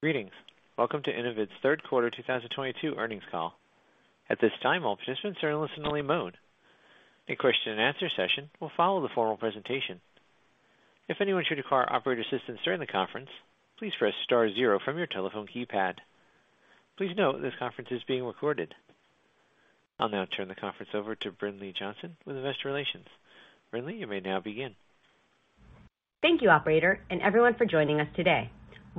Greetings. Welcome to Innovid's Third Quarter 2022 Earnings Call. At this time, all participants are in listen only mode. A Q&A session will follow the formal presentation. If anyone should require operator assistance during the conference, please press star zero from your telephone keypad. Please note this conference is being recorded. I'll now turn the conference over to Brinlea Johnson with Investor Relations. Brinlea, you may now begin. Thank you, operator, and everyone for joining us today.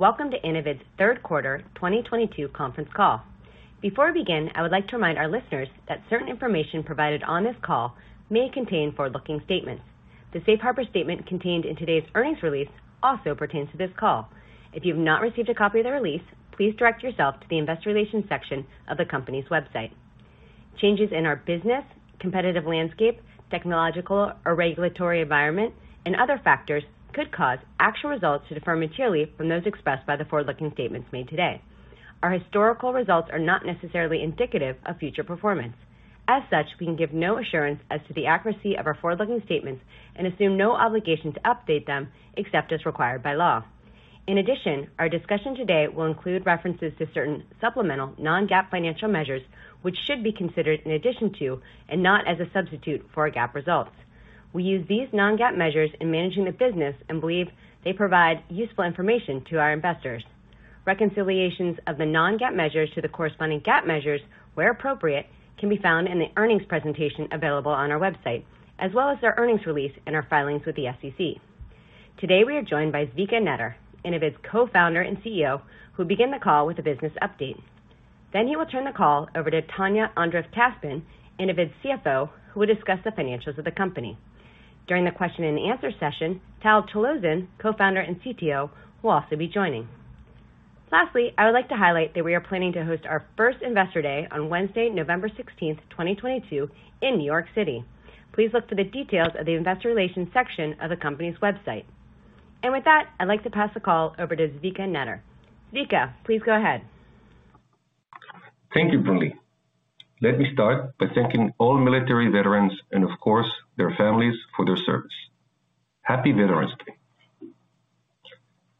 Welcome to Innovid's third quarter 2022 conference call. Before we begin, I would like to remind our listeners that certain information provided on this call may contain forward-looking statements. The safe harbor statement contained in today's earnings release also pertains to this call. If you've not received a copy of the release, please direct yourself to the investor relations section of the company's website. Changes in our business, competitive landscape, technological or regulatory environment, and other factors could cause actual results to differ materially from those expressed by the forward-looking statements made today. Our historical results are not necessarily indicative of future performance. As such, we can give no assurance as to the accuracy of our forward-looking statements and assume no obligation to update them, except as required by law. In addition, our discussion today will include references to certain supplemental non-GAAP financial measures, which should be considered in addition to and not as a substitute for our GAAP results. We use these non-GAAP measures in managing the business and believe they provide useful information to our investors. Reconciliations of the non-GAAP measures to the corresponding GAAP measures, where appropriate, can be found in the earnings presentation available on our website, as well as our earnings release and our filings with the SEC. Today, we are joined by Zvika Netter, Innovid's Co-founder and CEO, who will begin the call with a business update. He will turn the call over to Tanya Andreev-Kaspin, Innovid's CFO, who will discuss the financials of the company. During the Q&A session, Tal Chalozin, Co-founder and CTO, will also be joining. Lastly, I would like to highlight that we are planning to host our first Investor Day on Wednesday, November 16th, 2022 in New York City. Please look for the details at the investor relations section of the company's website. With that, I'd like to pass the call over to Zvika Netter. Zvika, please go ahead. Thank you, Brinlea. Let me start by thanking all military veterans and, of course, their families for their service. Happy Veterans Day.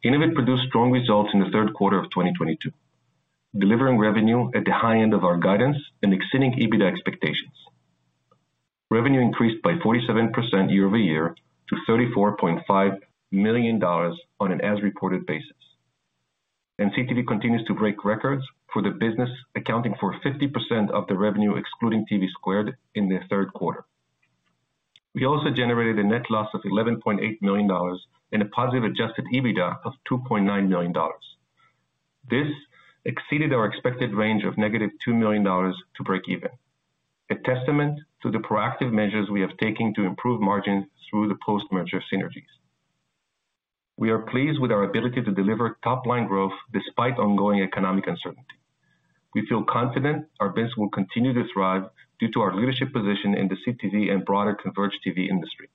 Innovid produced strong results in the third quarter of 2022, delivering revenue at the high end of our guidance and exceeding EBITDA expectations. Revenue increased by 47% year-over-year to $34.5 million on an as reported basis. CTV continues to break records for the business, accounting for 50% of the revenue excluding TVSquared in the third quarter. We also generated a net loss of $11.8 million and a positive adjusted EBITDA of $2.9 million. This exceeded our expected range of -$2 million to break even. A testament to the proactive measures we have taken to improve margins through the post-merger synergies. We are pleased with our ability to deliver top-line growth despite ongoing economic uncertainty. We feel confident our business will continue to thrive due to our leadership position in the CTV and broader converged TV industry.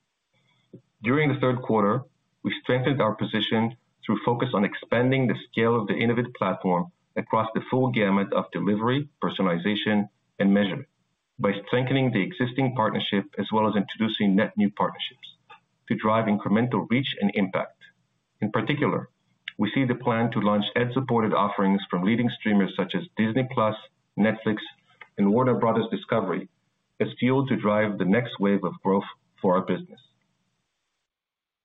During the third quarter, we strengthened our position through focus on expanding the scale of the Innovid platform across the full gamut of delivery, personalization, and measurement by strengthening the existing partnership as well as introducing net new partnerships to drive incremental reach and impact. In particular, we see the plan to launch ad-supported offerings from leading streamers such as Disney+, Netflix, and Warner Bros. Discovery as fuel to drive the next wave of growth for our business.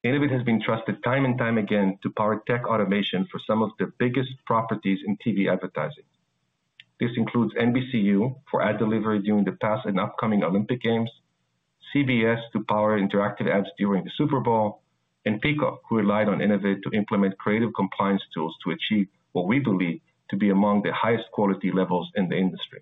Innovid has been trusted time and time again to power tech automation for some of the biggest properties in TV advertising. This includes NBCU for ad delivery during the past and upcoming Olympic Games, CBS to power interactive ads during the Super Bowl, and Peacock, who relied on Innovid to implement creative compliance tools to achieve what we believe to be among the highest quality levels in the industry.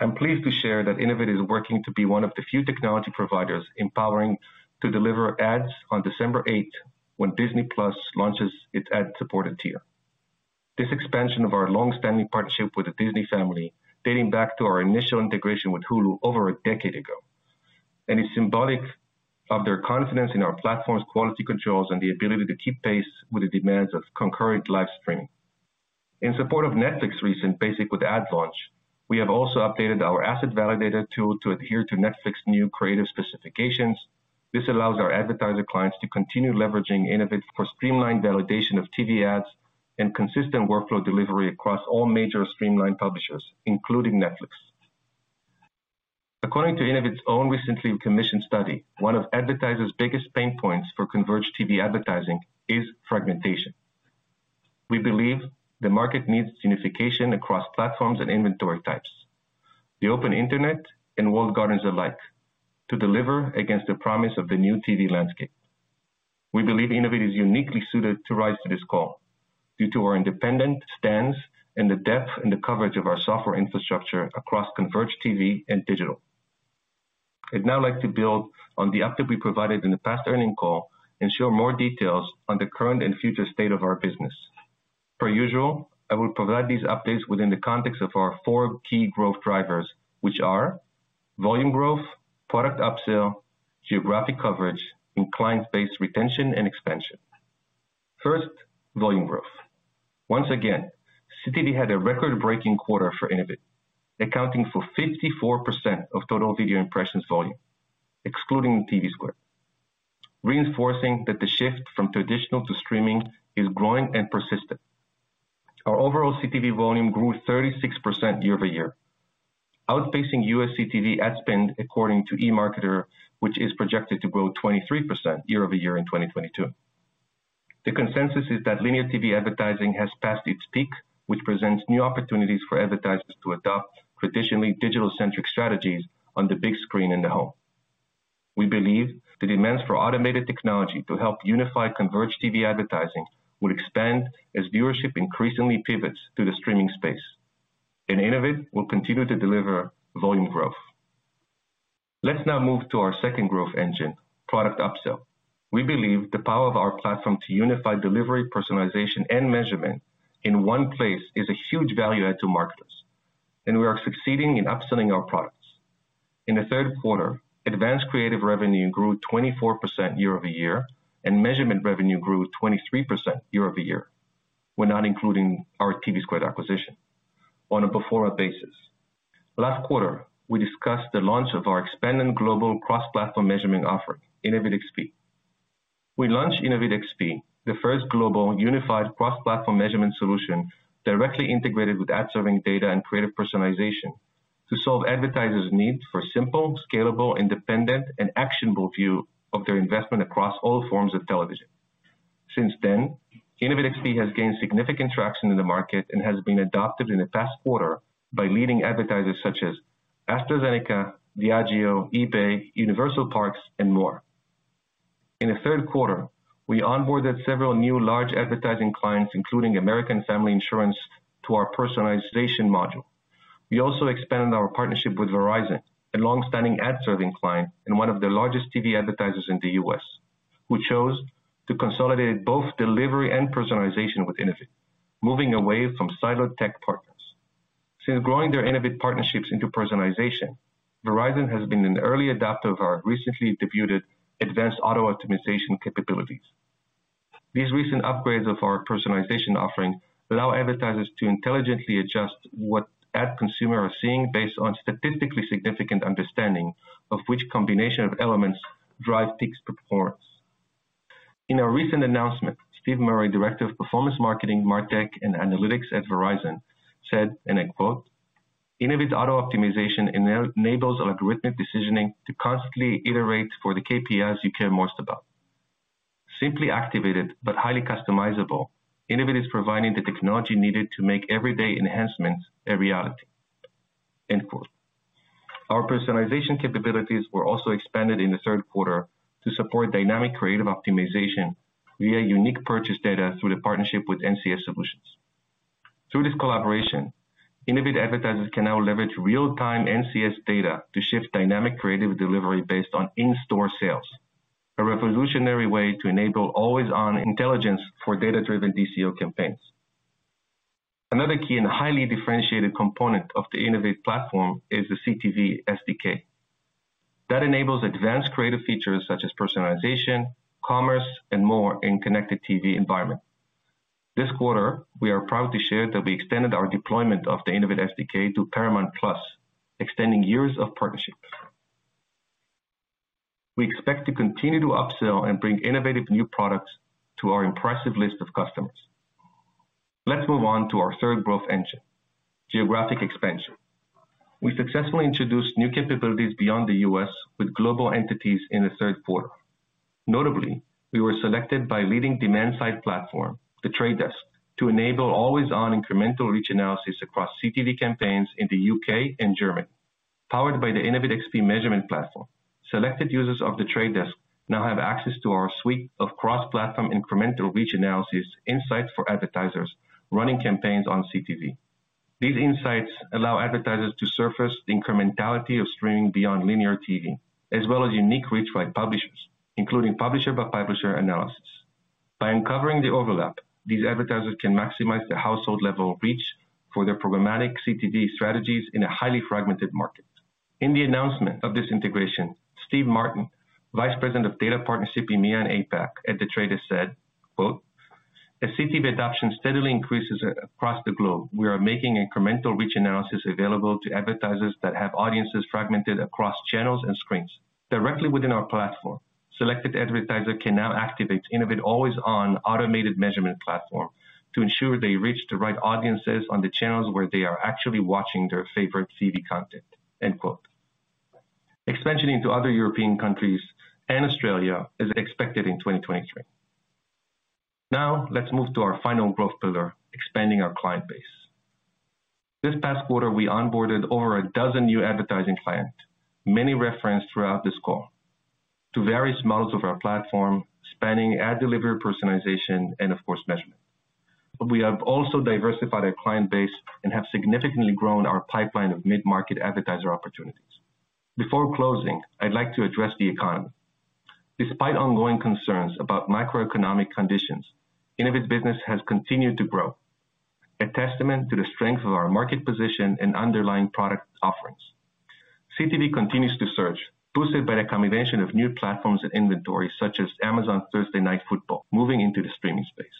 I'm pleased to share that Innovid is working to be one of the few technology providers empowered to deliver ads on December 8 when Disney+ launches its ad-supported tier. This expansion of our long-standing partnership with the Disney family dating back to our initial integration with Hulu over a decade ago and is symbolic of their confidence in our platform's quality controls and the ability to keep pace with the demands of concurrent live streaming. In support of Netflix's recent Basic with Ads launch, we have also updated our asset validator tool to adhere to Netflix's new creative specifications. This allows our advertiser clients to continue leveraging Innovid for streamlined validation of TV ads and consistent workflow delivery across all major streaming publishers, including Netflix. According to Innovid's own recently commissioned study, one of advertisers' biggest pain points for converged TV advertising is fragmentation. We believe the market needs unification across platforms and inventory types, the open internet and walled gardens alike, to deliver against the promise of the new TV landscape. We believe Innovid is uniquely suited to rise to this call due to our independent stance and the depth and the coverage of our software infrastructure across converged TV and digital. I'd now like to build on the update we provided in the past earnings call and share more details on the current and future state of our business. Per usual, I will provide these updates within the context of our four key growth drivers, which are volume growth, product upsell, geographic coverage, and client base retention and expansion. First, volume growth. Once again, CTV had a record-breaking quarter for Innovid, accounting for 54% of total video impressions volume, excluding TVSquared. Reinforcing that the shift from traditional to streaming is growing and persistent. Our overall CTV volume grew 36% year-over-year, outpacing U.S. CTV ad spend according to eMarketer, which is projected to grow 23% year-over-year in 2022. The consensus is that linear TV advertising has passed its peak, which presents new opportunities for advertisers to adopt traditionally digital-centric strategies on the big screen in the home. We believe the demands for automated technology to help unify converged TV advertising will expand as viewership increasingly pivots to the streaming space, and Innovid will continue to deliver volume growth. Let's now move to our second growth engine, product upsell. We believe the power of our platform to unify delivery, personalization and measurement in one place is a huge value add to marketers, and we are succeeding in upselling our products. In the third quarter, advanced creative revenue grew 24% year-over-year, and measurement revenue grew 23% year-over-year. We're not including our TVSquared acquisition on a pro forma basis. Last quarter, we discussed the launch of our expanded global cross-platform measurement offering, InnovidXP. We launched InnovidXP, the first global unified cross-platform measurement solution directly integrated with ad serving data and creative personalization to solve advertisers' need for simple, scalable, independent and actionable view of their investment across all forms of television. Since then, InnovidXP has gained significant traction in the market and has been adopted in the past quarter by leading advertisers such as AstraZeneca, Diageo, eBay, Universal Parks and more. In the third quarter, we onboarded several new large advertising clients, including American Family Insurance to our personalization module. We also expanded our partnership with Verizon, a long-standing ad serving client and one of the largest TV advertisers in the U.S. We chose to consolidate both delivery and personalization with Innovid, moving away from siloed tech partners. Since growing their Innovid partnerships into personalization, Verizon has been an early adopter of our recently debuted advanced auto optimization capabilities. These recent upgrades of our personalization offering allow advertisers to intelligently adjust what ads consumers are seeing based on statistically significant understanding of which combination of elements drive peak performance. In a recent announcement, Steve Murray, Director of Performance Marketing, MarTech and Analytics at Verizon, said, and I quote, "Innovid auto optimization enables algorithmic decisioning to constantly iterate for the KPIs you care most about. Simply activated but highly customizable, Innovid is providing the technology needed to make everyday enhancements a reality." End quote. Our personalization capabilities were also expanded in the third quarter to support dynamic creative optimization via unique purchase data through the partnership with NCSolutions. Through this collaboration, Innovid advertisers can now leverage real time NCSolutions data to shift dynamic creative delivery based on in-store sales, a revolutionary way to enable always on intelligence for data driven DCO campaigns. Another key and highly differentiated component of the Innovid platform is the CTV SDK. That enables advanced creative features such as personalization, commerce and more in connected TV environment. This quarter, we are proud to share that we extended our deployment of the Innovid SDK to Paramount+ extending years of partnerships. We expect to continue to upsell and bring innovative new products to our impressive list of customers. Let's move on to our third growth engine, geographic expansion. We successfully introduced new capabilities beyond the U.S. with global entities in the third quarter. Notably, we were selected by leading demand-side platform, The Trade Desk, to enable always-on incremental reach analysis across CTV campaigns in the U.K. and Germany. Powered by the InnovidXP measurement platform, selected users of The Trade Desk now have access to our suite of cross-platform incremental reach analysis insights for advertisers running campaigns on CTV. These insights allow advertisers to surface the incrementality of streaming beyond linear TV, as well as unique reach by publishers, including publisher by publisher analysis. By uncovering the overlap, these advertisers can maximize the household level reach for their programmatic CTV strategies in a highly fragmented market. In the announcement of this integration, Steve Martin, Vice President of Data Partnership, EMEA and APAC at The Trade Desk said, quote, "As CTV adoption steadily increases across the globe, we are making incremental reach analysis available to advertisers that have audiences fragmented across channels and screens directly within our platform. Selected advertisers can now activate Innovid always on automated measurement platform to ensure they reach the right audiences on the channels where they are actually watching their favorite TV content. End quote. Expansion into other European countries and Australia is expected in 2023. Now let's move to our final growth pillar, expanding our client base. This past quarter, we onboarded over a dozen new advertising clients, many referenced throughout this call to various models of our platform spanning ad delivery, personalization and of course measurement. We have also diversified our client base and have significantly grown our pipeline of mid-market advertiser opportunities. Before closing, I'd like to address the economy. Despite ongoing concerns about macroeconomic conditions, Innovid business has continued to grow. A testament to the strength of our market position and underlying product offerings. CTV continues to surge, boosted by the combination of new platforms and inventory such as Amazon Thursday Night Football moving into the streaming space.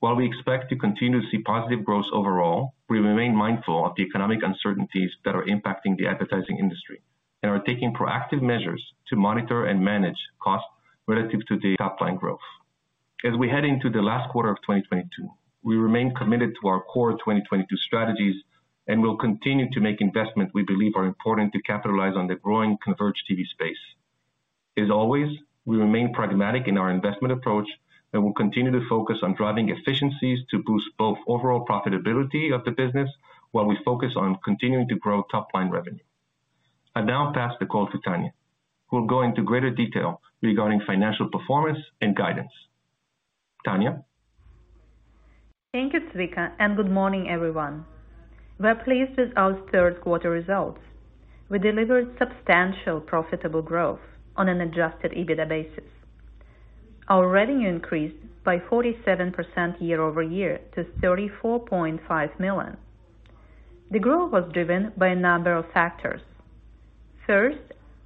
While we expect to continue to see positive growth overall, we remain mindful of the economic uncertainties that are impacting the advertising industry and are taking proactive measures to monitor and manage costs relative to the top-line growth. As we head into the last quarter of 2022, we remain committed to our core 2022 strategies, and we'll continue to make investments we believe are important to capitalize on the growing converged TV space. As always, we remain pragmatic in our investment approach, and we'll continue to focus on driving efficiencies to boost both overall profitability of the business while we focus on continuing to grow top-line revenue. I now pass the call to Tanya, who will go into greater detail regarding financial performance and guidance. Tanya? Thank you, Zvika, and good morning, everyone. We're pleased with our third quarter results. We delivered substantial profitable growth on an adjusted EBITDA basis. Our revenue increased by 47% year-over-year to $34.5 million. The growth was driven by a number of factors. First,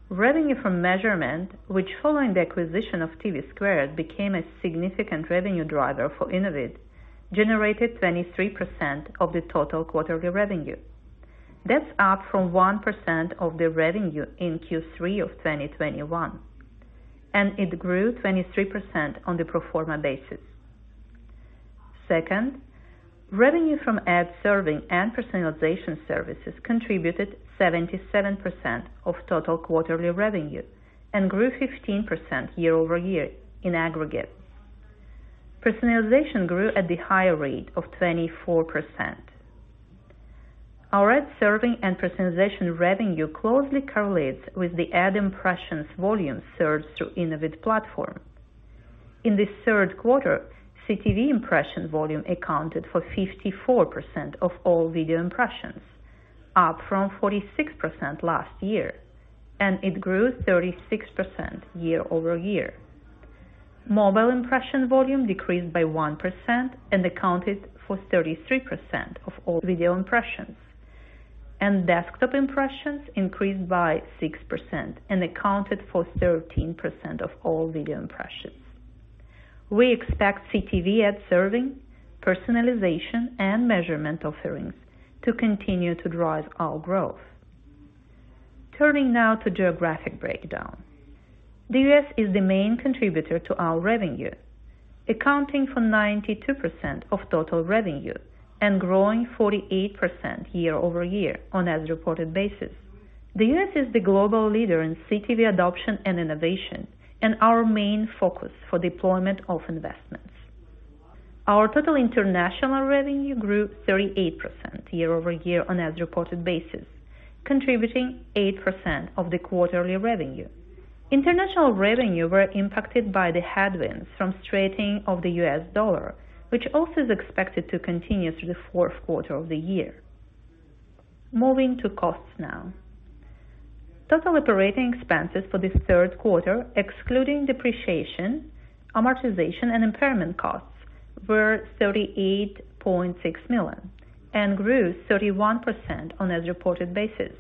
revenue from measurement, which following the acquisition of TVSquared became a significant revenue driver for Innovid, generated 23% of the total quarterly revenue. That's up from 1% of the revenue in Q3 of 2021, and it grew 23% on the pro forma basis. Second, revenue from ad serving and personalization services contributed 77% of total quarterly revenue and grew 15% year-over-year in aggregate. Personalization grew at the higher rate of 24%. Our ad serving and personalization revenue closely correlates with the ad impressions volume served through Innovid platform. In the third quarter, CTV impression volume accounted for 54% of all video impressions, up from 46% last year, and it grew 36% year-over-year. Mobile impression volume decreased by 1% and accounted for 33% of all video impressions. Desktop impressions increased by 6% and accounted for 13% of all video impressions. We expect CTV ad serving, personalization, and measurement offerings to continue to drive our growth. Turning now to geographic breakdown. The U.S. is the main contributor to our revenue, accounting for 92% of total revenue and growing 48% year-over-year on as-reported basis. The U.S. is the global leader in CTV adoption and innovation and our main focus for deployment of investments. Our total international revenue grew 38% year-over-year on as-reported basis, contributing 8% of the quarterly revenue. International revenue were impacted by the headwinds from strengthening of the U.S. dollar, which also is expected to continue through the fourth quarter of the year. Moving to costs now. Total operating expenses for the third quarter, excluding depreciation, amortization, and impairment costs, were $38.6 million and grew 31% on as-reported basis.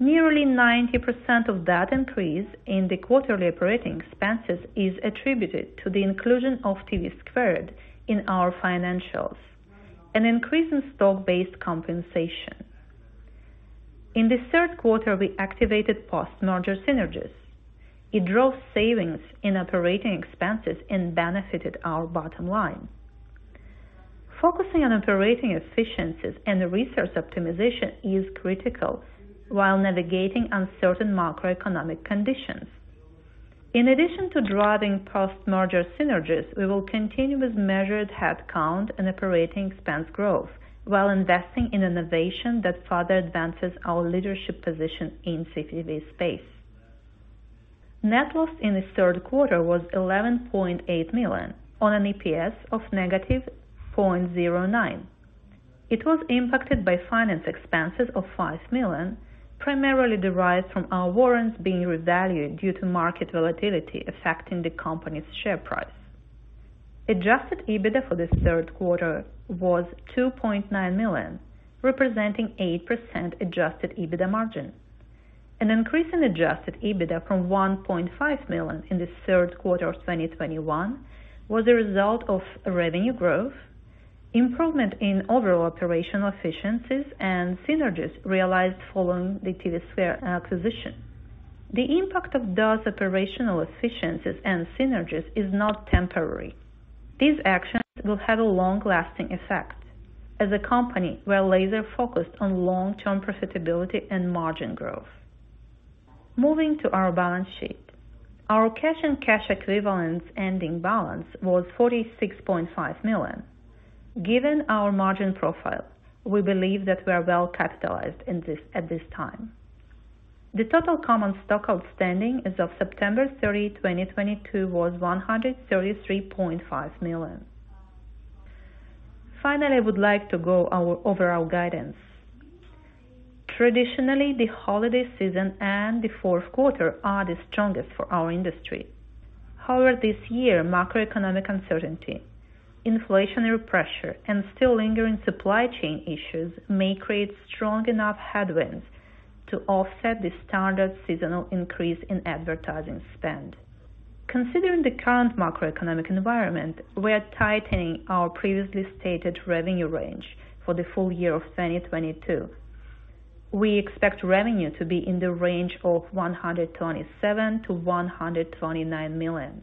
Nearly 90% of that increase in the quarterly operating expenses is attributed to the inclusion of TVSquared in our financials, an increase in stock-based compensation. In the third quarter, we activated post-merger synergies. It drove savings in operating expenses and benefited our bottom line. Focusing on operating efficiencies and resource optimization is critical while navigating uncertain macroeconomic conditions. In addition to driving post-merger synergies, we will continue with measured headcount and operating expense growth while investing in innovation that further advances our leadership position in CTV space. Net loss in this third quarter was $11.8 million on an EPS of negative $0.09. It was impacted by finance expenses of $5 million, primarily derived from our warrants being revalued due to market volatility affecting the company's share price. Adjusted EBITDA for the third quarter was $2.9 million, representing 8% adjusted EBITDA margin. An increase in adjusted EBITDA from $1.5 million in the third quarter of 2021 was a result of revenue growth, improvement in overall operational efficiencies, and synergies realized following the TVSquared acquisition. The impact of those operational efficiencies and synergies is not temporary. These actions will have a long-lasting effect as a company we're laser-focused on long-term profitability and margin growth. Moving to our balance sheet. Our cash and cash equivalents ending balance was $46.5 million. Given our margin profile, we believe that we are well capitalized at this time. The total common stock outstanding as of September 30, 2022 was 133.5 million. Finally, I would like to go over our overall guidance. Traditionally, the holiday season and the fourth quarter are the strongest for our industry. However, this year, macroeconomic uncertainty, inflationary pressure, and still lingering supply chain issues may create strong enough headwinds to offset the standard seasonal increase in advertising spend. Considering the current macroeconomic environment, we are tightening our previously stated revenue range for the full year of 2022. We expect revenue to be in the range of $127 million-$129 million.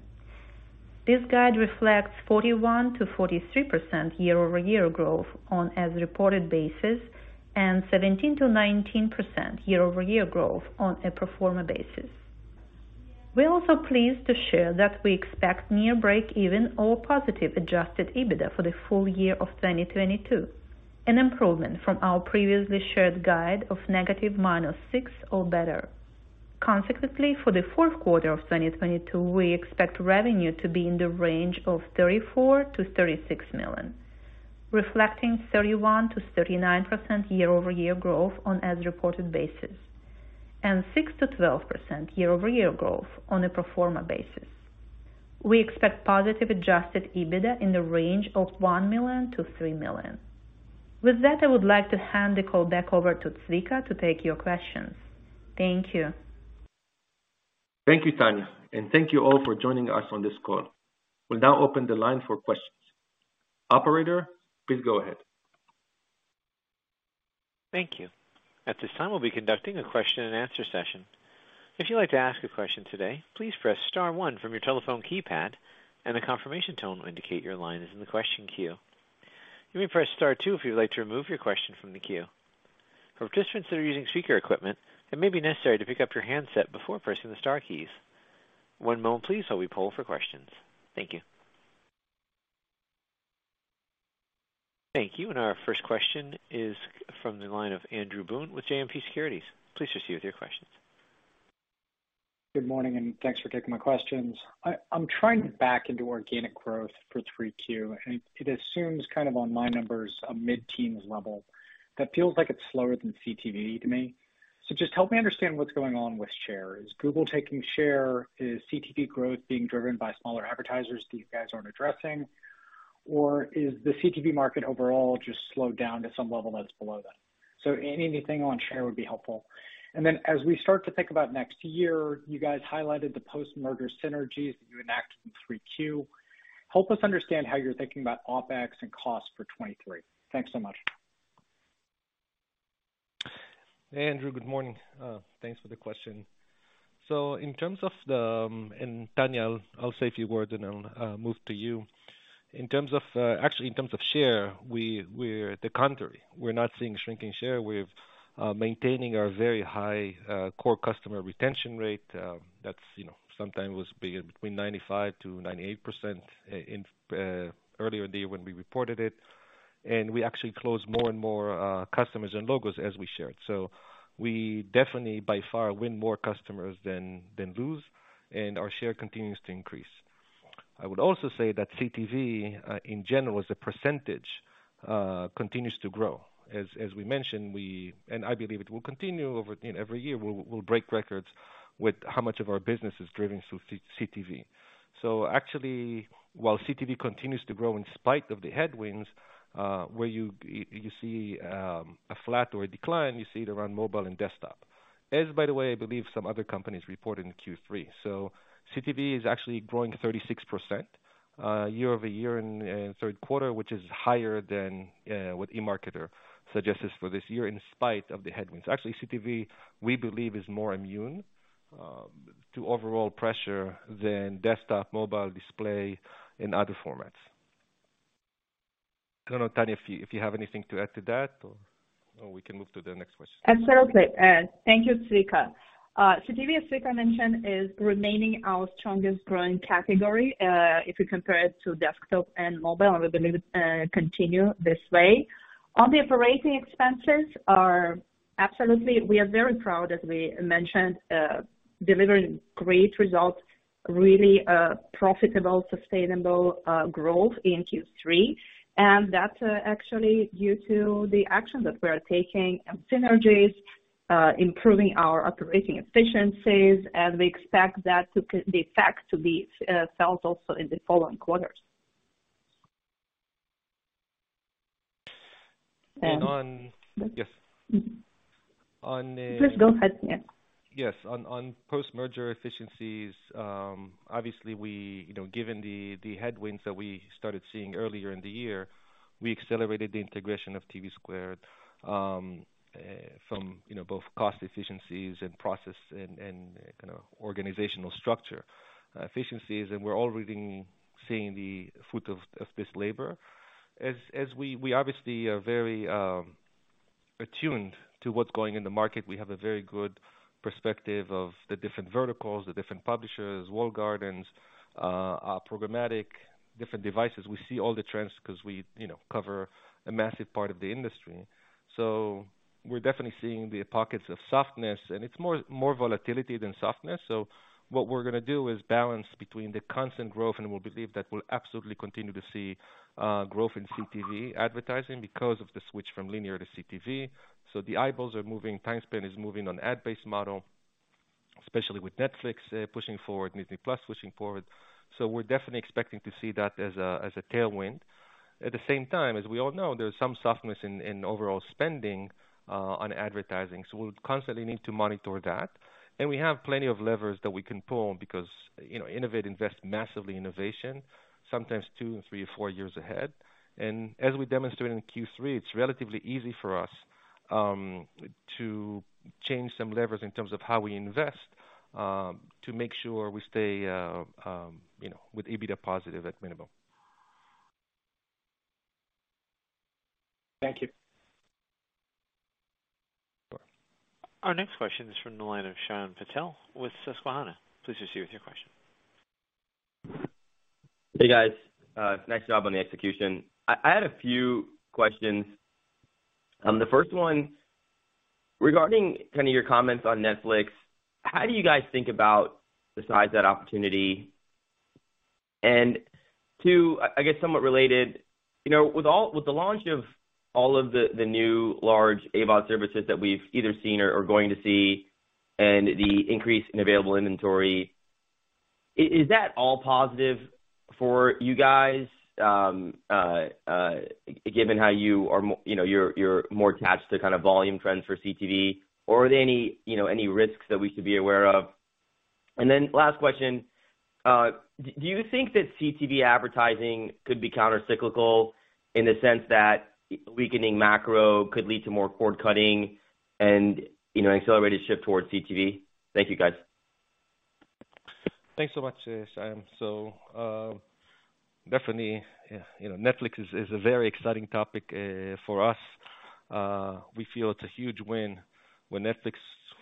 This guide reflects 41%-43% year-over-year growth on as reported basis, and 17%-19% year-over-year growth on a pro forma basis. We are also pleased to share that we expect near breakeven or positive adjusted EBITDA for the full year of 2022, an improvement from our previously shared guide of negative $6 or better. Consequently, for the fourth quarter of 2022, we expect revenue to be in the range of $34 milion-$36 million, reflecting 31%-39% year-over-year growth on as reported basis, and 6%-12% year-over-year growth on a pro forma basis. We expect positive adjusted EBITDA in the range of $1 million-$3 million. With that, I would like to hand the call back over to Zvika to take your questions. Thank you. Thank you, Tanya, and thank you all for joining us on this call. We'll now open the line for questions. Operator, please go ahead. Thank you. At this time, we'll be conducting a Q&A session. If you'd like to ask a question today, please press star one from your telephone keypad, and a confirmation tone will indicate your line is in the question queue. You may press star two if you'd like to remove your question from the queue. For participants that are using speaker equipment, it may be necessary to pick up your handset before pressing the star keys. One moment please, while we poll for questions. Thank you. Thank you. Our first question is from the line of Andrew Boone with JMP Securities. Please proceed with your questions. Good morning, and thanks for taking my questions. I'm trying to back into organic growth for Q3, and it assumes kind of on my numbers a mid-teens level that feels like it's slower than CTV to me. Just help me understand what's going on with share. Is Google taking share? Is CTV growth being driven by smaller advertisers that you guys aren't addressing? Is the CTV market overall just slowed down to some level that's below that? Anything on share would be helpful. As we start to think about next year, you guys highlighted the post-merger synergies that you enacted in 3Q. Help us understand how you're thinking about OpEx and cost for 2023. Thanks so much. Andrew, good morning. Thanks for the question. Tanya, I'll say a few words, and then I'll move to you. Actually, in terms of share, we're the contrary. We're not seeing shrinking share. We're maintaining our very high core customer retention rate. That's, you know, something was between 95%-98% earlier in the year when we reported it. We actually closed more and more customers and logos as we shared. We definitely by far win more customers than lose, and our share continues to increase. I would also say that CTV in general, as a percentage, continues to grow. As we mentioned, I believe it will continue over every year we'll break records with how much of our business is driven through CTV. Actually, while CTV continues to grow in spite of the headwinds, where you see a flat or a decline, you see it around mobile and desktop. By the way, I believe some other companies report in Q3. CTV is actually growing 36% year-over-year in third quarter, which is higher than what eMarketer suggests for this year in spite of the headwinds. Actually, CTV, we believe, is more immune to overall pressure than desktop, mobile display and other formats. I don't know, Tanya, if you have anything to add to that or we can move to the next question. Absolutely. Thank you, Zvika. CTV, as Zvika mentioned, is remaining our strongest growing category, if you compare it to desktop and mobile, and we believe it continue this way. On the operating expenses are absolutely, we are very proud, as we mentioned, delivering great results, really, profitable, sustainable, growth in Q3. That's actually due to the actions that we are taking and synergies, improving our operating efficiencies, and we expect that the effect to be felt also in the following quarters. Yes. Please go ahead. Yeah. Yes. On post-merger efficiencies, obviously we, you know, given the headwinds that we started seeing earlier in the year, we accelerated the integration of TVSquared from both cost efficiencies and process and organizational structure efficiencies, and we're already seeing the fruit of this labor. As we obviously are very attuned to what's going on in the market. We have a very good perspective of the different verticals, the different publishers, walled gardens, our programmatic, different devices. We see all the trends 'cause we, you know, cover a massive part of the industry. We're definitely seeing the pockets of softness, and it's more volatility than softness. What we're gonna do is balance between the constant growth, and we believe that we'll absolutely continue to see growth in CTV advertising because of the switch from linear to CTV. The eyeballs are moving, time spent is moving on ad-based model. Especially with Netflix pushing forward, Disney+ pushing forward. We're definitely expecting to see that as a tailwind. At the same time, as we all know, there's some softness in overall spending on advertising, so we'll constantly need to monitor that. We have plenty of levers that we can pull because, you know, Innovid, invest massively in innovation, sometimes two, three or four years ahead. As we demonstrated in Q3, it's relatively easy for us to change some levers in terms of how we invest to make sure we stay, you know, with EBITDA positive at minimum. Thank you. Sure. Our next question is from the line of Shyam Patil with Susquehanna. Please proceed with your question. Hey, guys. Nice job on the execution. I had a few questions. The first one regarding kind of your comments on Netflix. How do you guys think about the size of that opportunity? Two, I guess somewhat related. You know, with the launch of all of the new large AVOD services that we've either seen or are going to see and the increase in available inventory, is that all positive for you guys? Given how you are more you know, you're more attached to kind of volume trends for CTV, or are there any, you know, risks that we should be aware of? Last question. Do you think that CTV advertising could be countercyclical in the sense that weakening macro could lead to more cord-cutting and, you know, accelerated shift towards CTV? Thank you, guys. Thanks so much, Shyam. Definitely, you know, Netflix is a very exciting topic for us. We feel it's a huge win when Netflix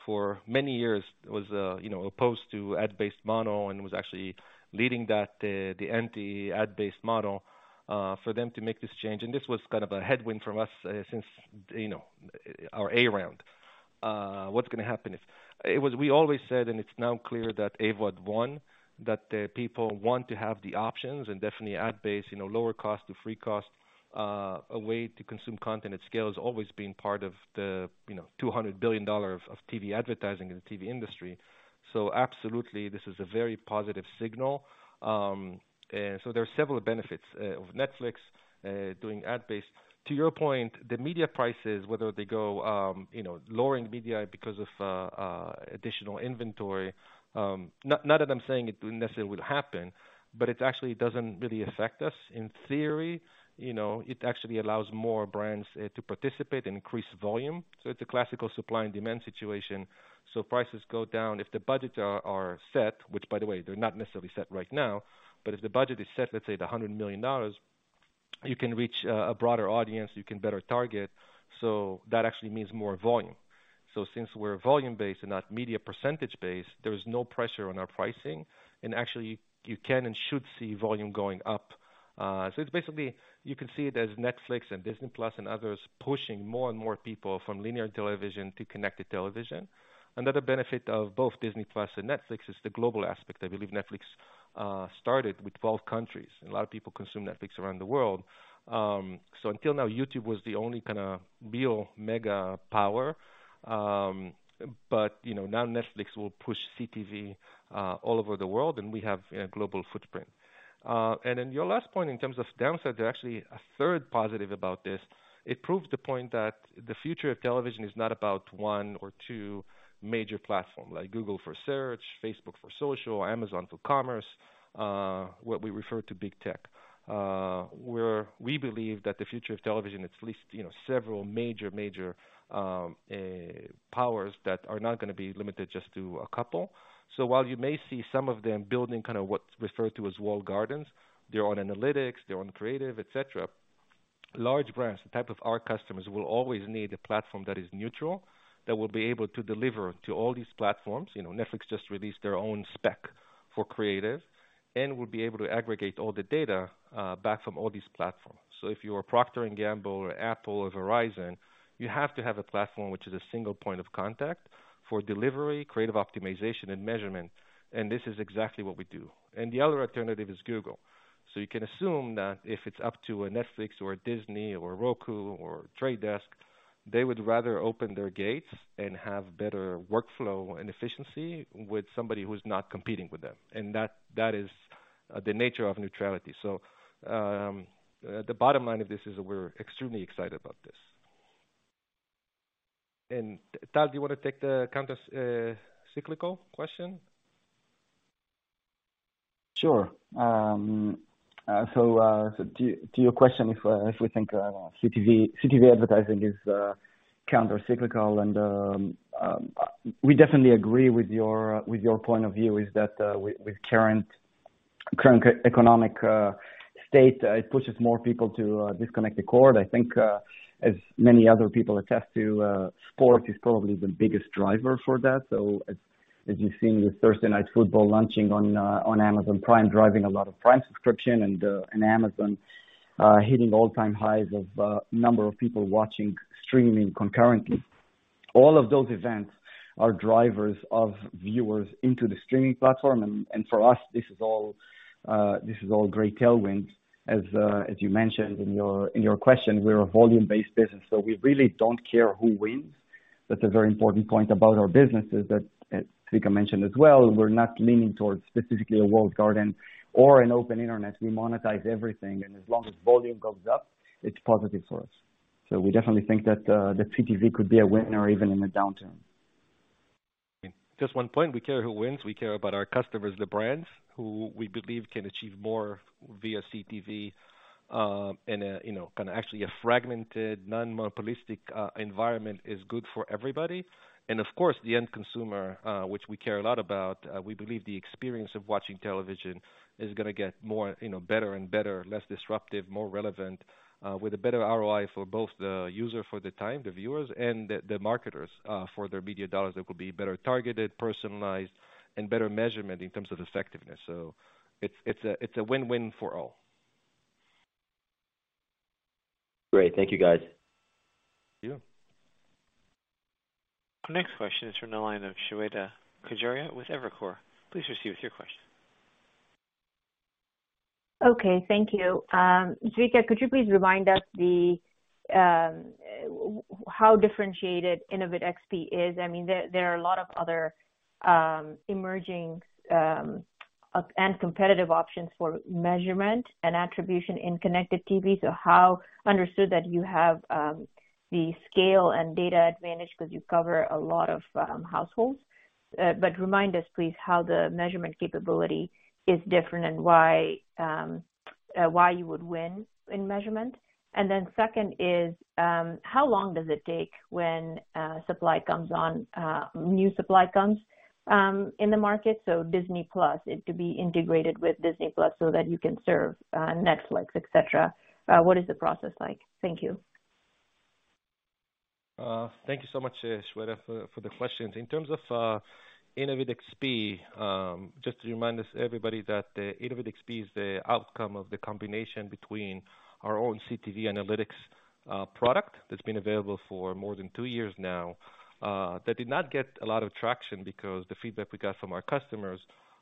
for many years was, you know, opposed to ad-based model and was actually leading that the anti-ad-based model, for them to make this change. This was kind of a headwind from us, since, you know, our A round. We always said, and it's now clear that AVOD won, that the people want to have the options and definitely ad-based, you know, lower cost to free cost, a way to consume content at scale has always been part of the, you know, $200 billion of TV advertising in the TV industry. Absolutely, this is a very positive signal. There are several benefits of Netflix doing ad-based. To your point, the media prices, whether they go, you know, lowering CPM because of additional inventory, not that I'm saying it necessarily will happen, but it actually doesn't really affect us. In theory, you know, it actually allows more brands to participate and increase volume. It's a classical supply and demand situation. Prices go down. If the budgets are set, which by the way, they're not necessarily set right now, but if the budget is set, let's say $100 million, you can reach a broader audience, you can better target. That actually means more volume. Since we're volume-based and not media percentage-based, there is no pressure on our pricing. Actually, you can and should see volume going up. It's basically you can see it as Netflix and Disney+ and others pushing more and more people from linear television to connected television. Another benefit of both Disney+ and Netflix is the global aspect. I believe Netflix started with 12 countries. A lot of people consume Netflix around the world. Until now, YouTube was the only kinda real mega power. You know, now Netflix will push CTV all over the world, and we have a global footprint. Then your last point in terms of downside, there are actually a third positive about this. It proves the point that the future of television is not about one or two major platform, like Google for search, Facebook for social, Amazon for commerce, what we refer to big tech. Where we believe that the future of television, it's at least, you know, several major powers that are not gonna be limited just to a couple. So while you may see some of them building kind of what's referred to as walled gardens, their own analytics, their own creative, et cetera, large brands, the type of our customers, will always need a platform that is neutral, that will be able to deliver to all these platforms. You know, Netflix just released their own spec for creative and will be able to aggregate all the data, back from all these platforms. So if you are Procter & Gamble or Apple or Verizon, you have to have a platform which is a single point of contact for delivery, creative optimization and measurement. This is exactly what we do. The other alternative is Google. You can assume that if it's up to a Netflix or a Disney or a Roku or The Trade Desk, they would rather open their gates and have better workflow and efficiency with somebody who's not competing with them. That is the nature of neutrality. The bottom line of this is we're extremely excited about this. Tal, do you wanna take the counter-cyclical question? Sure. To your question, if we think CTV advertising is countercyclical and we definitely agree with your point of view is that with current economic state it pushes more people to disconnect the cord. I think as many other people attest to sports is probably the biggest driver for that. As you've seen with Thursday Night Football launching on Amazon Prime, driving a lot of Prime subscription and Amazon hitting all-time highs of number of people watching streaming concurrently. All of those events are drivers of viewers into the streaming platform. For us, this is all great tailwind. You mentioned in your question, we're a volume-based business, so we really don't care who wins. That's a very important point about our businesses that, Zvika mentioned as well. We're not leaning towards specifically a walled garden or an open internet. We monetize everything, and as long as volume goes up, it's positive for us. We definitely think that, the CTV could be a winner even in a downturn. Just one point. We care who wins. We care about our customers, the brands who we believe can achieve more via CTV. You know, kind of actually a fragmented, non-monopolistic environment is good for everybody. Of course, the end consumer, which we care a lot about, we believe the experience of watching television is gonna get more, you know, better and better, less disruptive, more relevant, with a better ROI for both the user for the time, the viewers and the marketers, for their media dollars. That will be better targeted, personalized and better measurement in terms of effectiveness. It's a win-win for all. Great. Thank you, guys. Thank you. Our next question is from the line of Shweta Khajuria with Evercore, please proceed with your question. Okay. Thank you. Zvika, could you please remind us how differentiated InnovidXP is? I mean, there are a lot of other emerging and competitive options for measurement and attribution in connected TV. I understand that you have the scale and data advantage because you cover a lot of households. But remind us, please, how the measurement capability is different and why you would win in measurement. Second is, how long does it take when new supply comes on in the market? So Disney+, it could be integrated with Disney+ so that you can serve Netflix, et cetera. What is the process like? Thank you. Thank you so much, Shweta, for the questions. In terms of Innovid XP, just to remind us, everybody, that Innovid XP is the outcome of the combination between our own CTV analytics product that's been available for more than two years now that did not get a lot of traction because the feedback we got from our customers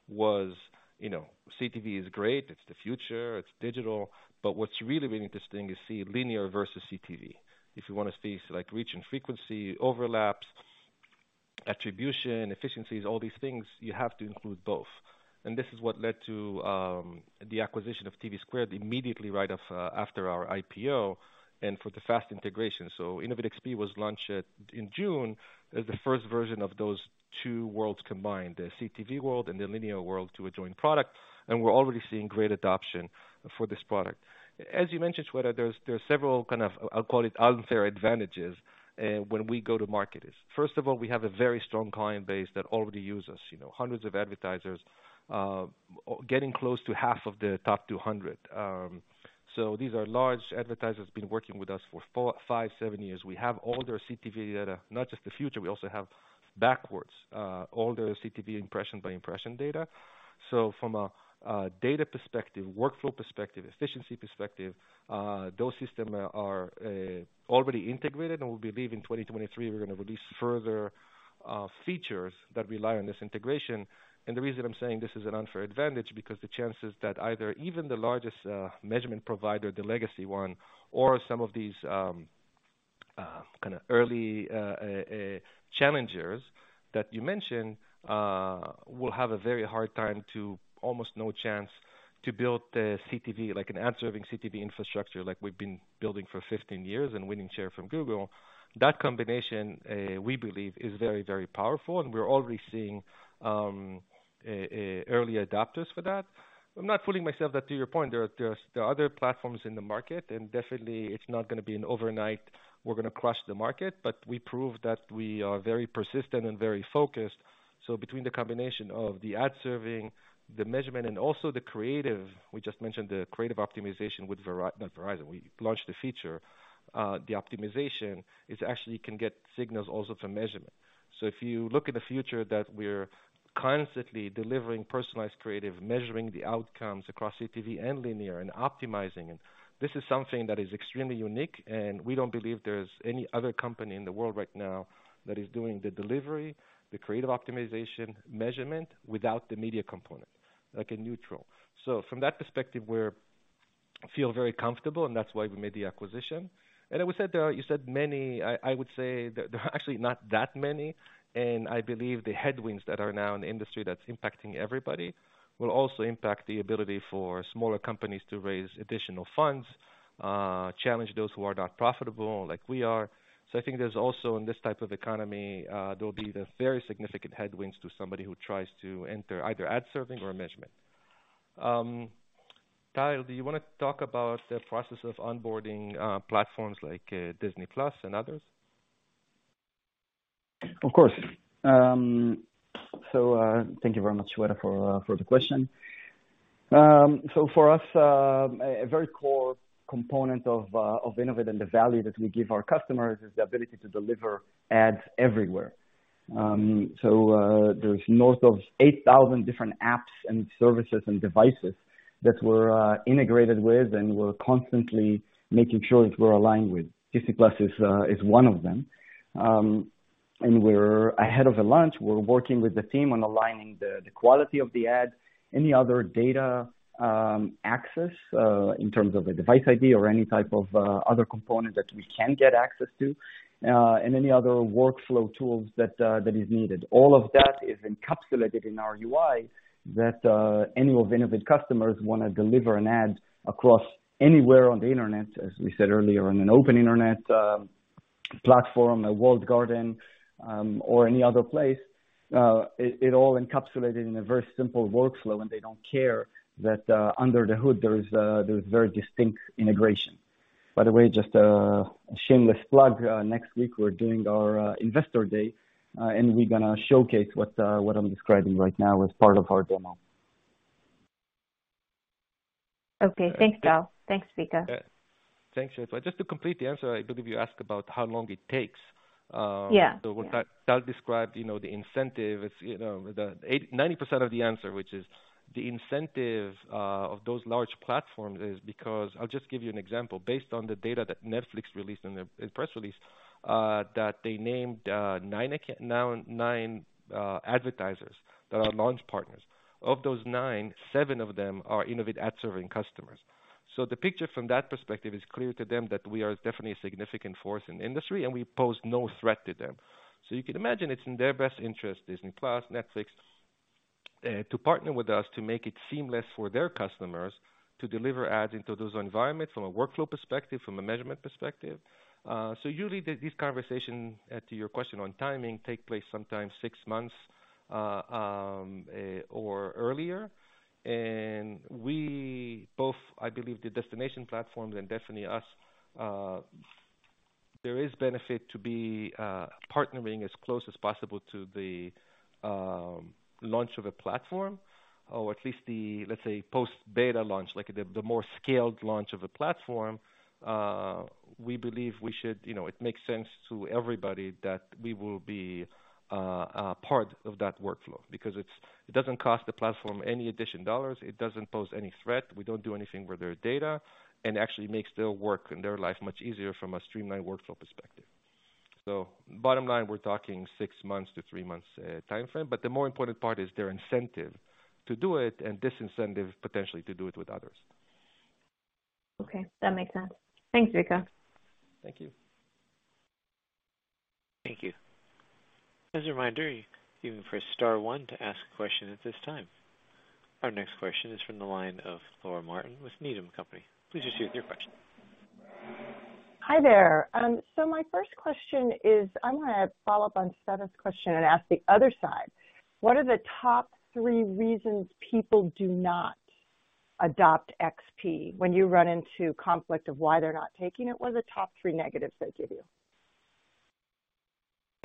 was, you know, CTV is great, it's the future, it's digital. But what's really interesting is to see linear versus CTV. If you want to see like reach and frequency overlaps, attribution, efficiencies, all these things, you have to include both. This is what led to the acquisition of TVSquared immediately right after our IPO and for the fast integration. Innovid XP was launched in June as the first version of those two worlds combined, the CTV world and the linear world, to a joint product. We're already seeing great adoption for this product. As you mentioned, Shweta, there are several kind of, I'll call it unfair advantages when we go to market. First of all, we have a very strong client base that already use us. You know, hundreds of advertisers getting close to half of the top 200. These are large advertisers been working with us for four, five, seven years. We have all their CTV data, not just the future. We also have backwards all their CTV impression by impression data. From a data perspective, workflow perspective, efficiency perspective, those system are already integrated. We believe in 2023 we're gonna release further features that rely on this integration. The reason I'm saying this is an unfair advantage, because the chances that either even the largest measurement provider, the legacy one or some of these kind of early challengers that you mentioned will have a very hard time to almost no chance to build the CTV, like an ad serving CTV infrastructure like we've been building for 15 years and winning share from Google. That combination, we believe is very, very powerful and we're already seeing early adopters for that. I'm not fooling myself that to your point, there are other platforms in the market and definitely it's not gonna be an overnight, we're gonna crush the market, but we prove that we are very persistent and very focused. Between the combination of the ad serving, the measurement and also the creative, we just mentioned the creative optimization with Verizon. We launched the feature. The optimization can actually get signals also from measurement. If you look at the future that we're constantly delivering personalized creative, measuring the outcomes across CTV and linear and optimizing, and this is something that is extremely unique and we don't believe there's any other company in the world right now that is doing the delivery, the creative optimization measurement without the media component, like a neutral. From that perspective, we feel very comfortable and that's why we made the acquisition. As we said, you said many. I would say there are actually not that many. I believe the headwinds that are now in the industry that's impacting everybody will also impact the ability for smaller companies to raise additional funds, challenge those who are not profitable like we are. I think there's also in this type of economy, there will be the very significant headwinds to somebody who tries to enter either ad serving or measurement. Tal, do you want to talk about the process of onboarding platforms like Disney+ and others? Of course. Thank you very much, Shweta, for the question. For us, a very core component of Innovid and the value that we give our customers is the ability to deliver ads everywhere. There's north of 8,000 different apps and services and devices that we're integrated with and we're constantly making sure that we're aligned with. Disney+ is one of them. We're ahead of the launch. We're working with the team on aligning the quality of the ad, any other data access in terms of a device ID or any type of other component that we can get access to and any other workflow tools that is needed. All of that is encapsulated in our UI that any of Innovid customers want to deliver an ad across anywhere on the internet, as we said earlier, on an open internet. Platform, a walled garden, or any other place, it all encapsulated in a very simple workflow, and they don't care that, under the hood there's very distinct integration. By the way, just a shameless plug. Next week we're doing our investor day, and we're gonna showcase what I'm describing right now as part of our demo. Okay. Thanks, Tal. Thanks, Zvika. Thanks, Shweta. Just to complete the answer, I believe you asked about how long it takes. Yeah. What Tal described, you know, the incentive. It's, you know, the 80-90% of the answer, which is the incentive, of those large platforms, is because I'll just give you an example based on the data that Netflix released in their press release, that they named, nine advertisers that are launch partners. Of those nine, seven of them are Innovid ad serving customers. The picture from that perspective is clear to them that we are definitely a significant force in the industry, and we pose no threat to them. You can imagine it's in their best interest, Disney+, Netflix, to partner with us to make it seamless for their customers to deliver ads into those environments from a workflow perspective, from a measurement perspective. Usually these conversations, to your question on timing, take place sometimes six months or earlier. We both, I believe, the destination platforms and definitely us, there is benefit to partnering as close as possible to the launch of a platform or at least the post-beta launch, like the more scaled launch of a platform. We believe we should. You know, it makes sense to everybody that we will be part of that workflow because it's, it doesn't cost the platform any additional dollars. It doesn't pose any threat. We don't do anything with their data and actually makes their work and their life much easier from a streamlined workflow perspective. Bottom line, we're talking six months to three months timeframe, but the more important part is their incentive to do it and disincentive potentially to do it with others. Okay, that makes sense. Thanks, Zvika. Thank you. Thank you. As a reminder, you can press star one to ask a question at this time. Our next question is from the line of Laura Martin with Needham & Company. Please proceed with your question. Hi there. My first question is, I want to follow up on Shweta's question and ask the other side, what are the top three reasons people do not adopt XP when you run into conflict of why they're not taking it? What are the top three negatives they give you?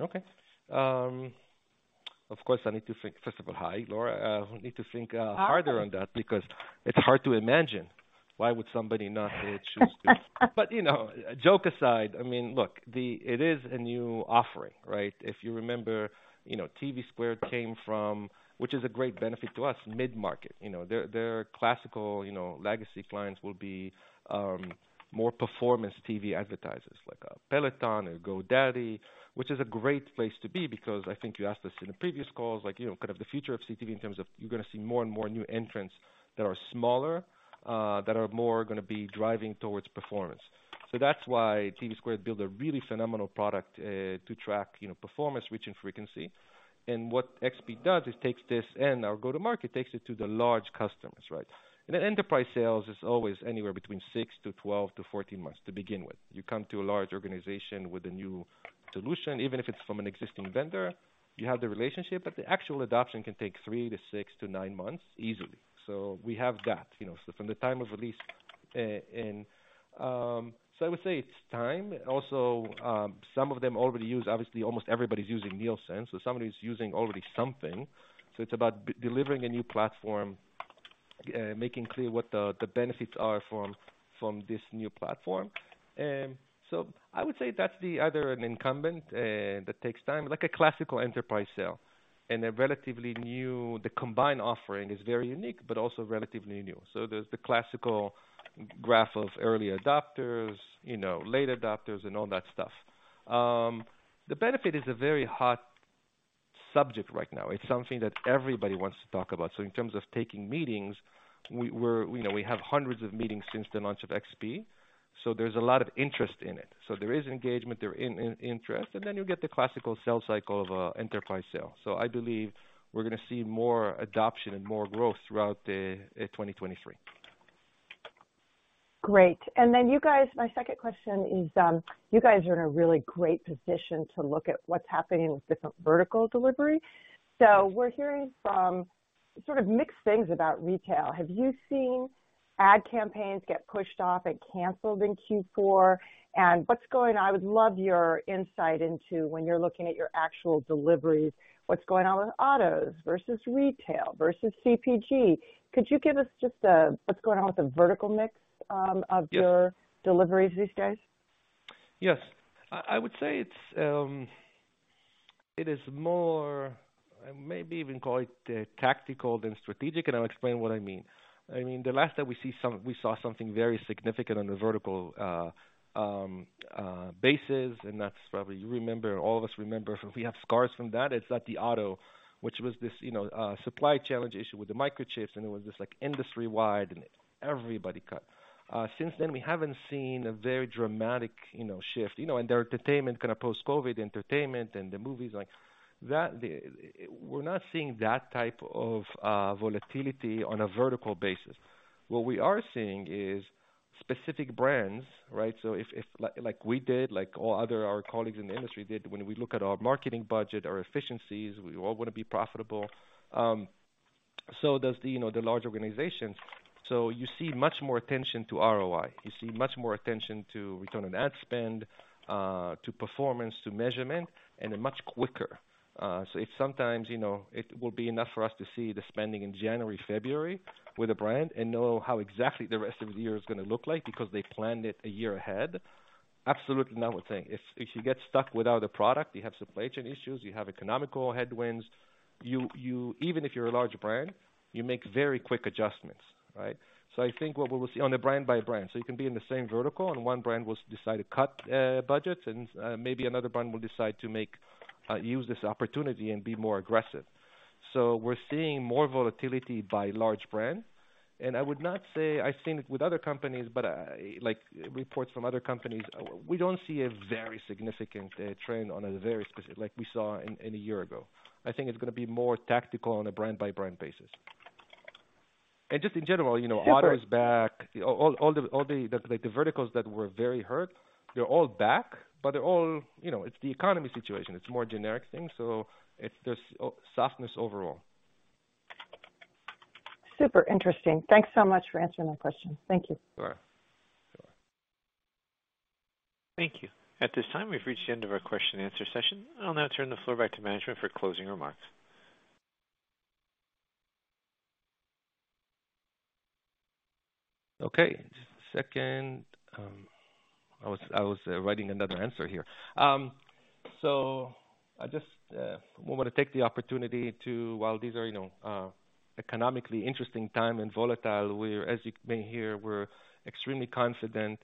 Okay. Of course, I need to think. First of all, hi, Laura. I need to think harder on that because it's hard to imagine why would somebody not choose to. You know, joke aside, I mean, look, it is a new offering, right? If you remember, you know, TVSquared came from, which is a great benefit to us, mid-market. You know, their classical, you know, legacy clients will be more performance TV advertisers like Peloton or GoDaddy, which is a great place to be because I think you asked us in the previous calls, like, you know, kind of the future of CTV in terms of you're gonna see more and more new entrants that are smaller that are more gonna be driving towards performance. That's why TVSquared built a really phenomenal product to track, you know, performance, reach, and frequency. What XP does is takes this and our go-to-market takes it to the large customers, right? In the enterprise sales, it's always anywhere between six to 12 to 14 months to begin with. You come to a large organization with a new solution, even if it's from an existing vendor, you have the relationship, but the actual adoption can take three to six to nine months easily. We have that, you know, from the time of release, and I would say it's time. Also, some of them already use, obviously almost everybody's using Nielsen, so somebody's already using something. It's about delivering a new platform, making clear what the benefits are from this new platform. I would say that's another incumbent that takes time, like a classic enterprise sale and a relatively new combined offering is very unique but also relatively new. There's the classic graph of early adopters, you know, late adopters and all that stuff. The benefit is a very hot subject right now. It's something that everybody wants to talk about. In terms of taking meetings, we're, you know, we have hundreds of meetings since the launch of XP, so there's a lot of interest in it. There is engagement, there is interest, and then you get the classic sales cycle of enterprise sales. I believe we're gonna see more adoption and more growth throughout 2023. Great. Then you guys, my second question is, you guys are in a really great position to look at what's happening with different vertical delivery. We're hearing some sort of mixed things about retail. Have you seen ad campaigns get pushed off and canceled in Q4? I would love your insight into when you're looking at your actual deliveries, what's going on with autos versus retail versus CPG. Could you give us what's going on with the vertical mix of your deliveries these days? Yes. I would say it's more, maybe even call it, tactical than strategic, and I'll explain what I mean. I mean, the last time we saw something very significant on a vertical basis, and that's probably you remember, all of us remember, if we have scars from that, it's at the auto, which was this, you know, supply challenge issue with the microchips, and it was this, like, industry-wide and everybody cut. Since then, we haven't seen a very dramatic, you know, shift, you know, in the entertainment, kind of post-COVID entertainment and the movies, like. We're not seeing that type of volatility on a vertical basis. What we are seeing is specific brands, right? Like we did like all other our colleagues in the industry did, when we look at our marketing budget, our efficiencies, we all wanna be profitable. So does the, you know, the large organizations. You see much more attention to ROI. You see much more attention to return on ad spend, to performance, to measurement, and they're much quicker. If sometimes, you know, it will be enough for us to see the spending in January, February with a brand and know how exactly the rest of the year is gonna look like because they planned it a year ahead. Absolutely nothing. If you get stuck without a product, you have supply chain issues, you have economic headwinds, even if you're a large brand, you make very quick adjustments, right? I think what we will see on a brand by brand. You can be in the same vertical, and one brand will decide to cut budgets, and maybe another brand will decide to make use this opportunity and be more aggressive. We're seeing more volatility by large brands. I would not say I've seen it with other companies, but like reports from other companies, we don't see a very significant trend on a very specific like we saw in a year ago. I think it's gonna be more tactical on a brand-by-brand basis. Just in general, you know, auto's back. All the verticals that were very hurt, they're all back, but they're all, you know, it's the economy situation. It's more generic thing. It's just softness overall. Super interesting. Thanks so much for answering my question. Thank you. Sure. Sure. Thank you. At this time, we've reached the end of our Q&A session. I'll now turn the floor back to management for closing remarks. Okay. Just a second. I was writing another answer here. I just wanna take the opportunity to. While these are, you know, economically interesting times and volatile, as you can hear, we're extremely confident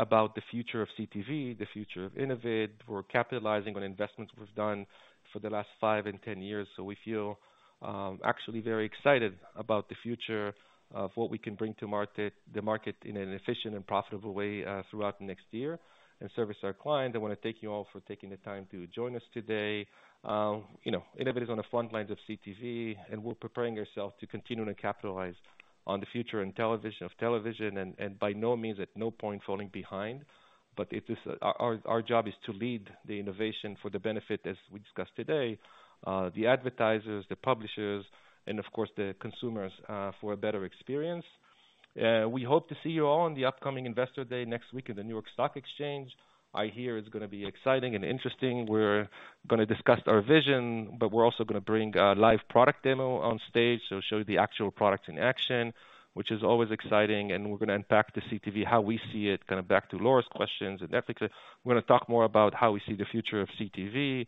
about the future of CTV, the future of Innovid. We're capitalizing on investments we've done for the last five and 10 years. We feel actually very excited about the future of what we can bring to market, the market in an efficient and profitable way, throughout the next year and serve our clients. I wanna thank you all for taking the time to join us today. You know, Innovid is on the front lines of CTV, and we're preparing ourselves to continue to capitalize on the future of television, and by no means at no point falling behind. Our job is to lead the innovation for the benefit, as we discussed today, the advertisers, the publishers and of course, the consumers, for a better experience. We hope to see you all on the upcoming Investor Day next week in the New York Stock Exchange. I hear it's gonna be exciting and interesting. We're gonna discuss our vision, but we're also gonna bring a live product demo on stage. So show the actual products in action, which is always exciting. We're gonna unpack the CTV, how we see it, kinda back to Laura's questions and ethics. We're gonna talk more about how we see the future of CTV,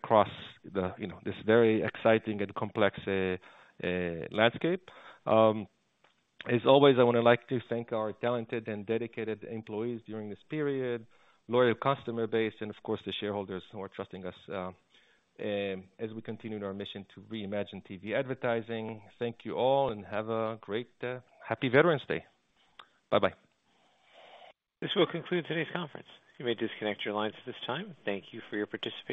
across the, you know, this very exciting and complex landscape. As always, I wanna like to thank our talented and dedicated employees during this period, loyal customer base, and of course, the shareholders who are trusting us, as we continue in our mission to reimagine TV advertising. Thank you all and have a great Happy Veterans Day. Bye-bye. This will conclude today's conference. You may disconnect your lines at this time. Thank you for your participation.